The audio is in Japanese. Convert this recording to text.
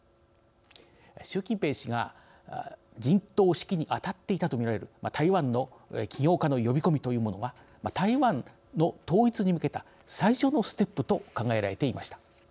習近平氏が陣頭指揮にあたっていたと見られる台湾の企業家の呼び込みというものは台湾の統一に向けた最初のステップと考えられていました。